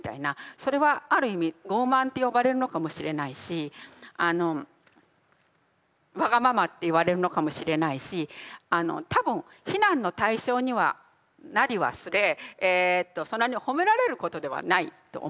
それはある意味傲慢って呼ばれるのかもしれないしあのわがままって言われるのかもしれないし多分非難の対象にはなりはすれそんなに褒められることではないと思うんですよ。